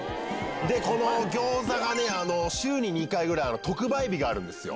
このギョーザがね、週に２回くらい特売日があるんですよ。